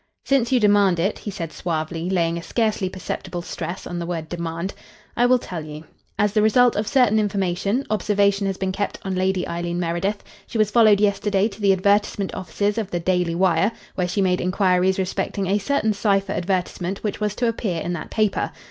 "Since you demand it," he said suavely, laying a scarcely perceptible stress on the word demand, "I will tell you. As the result of certain information, observation has been kept on Lady Eileen Meredith. She was followed yesterday to the advertisement offices of the Daily Wire, where she made inquiries respecting a certain cipher advertisement which was to appear in that paper.